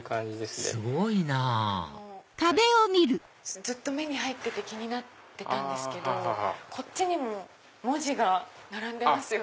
すごいなぁずっと目に入ってて気になってたんですけどこっちにも文字が並んでますよね。